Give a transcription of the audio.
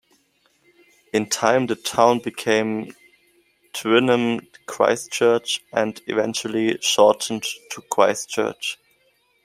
In time the town became Twynham-Christchurch and eventually shortened to Christchurch.